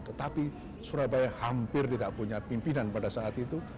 tetapi surabaya hampir tidak punya pimpinan pada saat itu